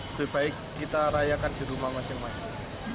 lebih baik kita rayakan di rumah masing masing